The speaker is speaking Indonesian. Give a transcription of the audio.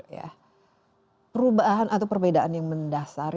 ya perubahan atau perbedaan yang mendasar